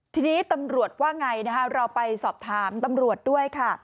ทีนี้ตำรวจว่าไงนะคะเราไปสอบถามตำรวจด้วยค่ะ